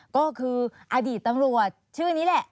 ก็คืออดีตตำรวจชื่อนี้แหละ